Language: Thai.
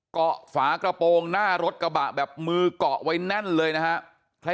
ฝากระโปรงหน้ารถกระบะแบบมือเกาะไว้แน่นเลยนะฮะ